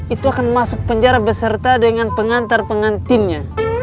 itu akan masuk penjara beserta dengan pengantar pengantinnya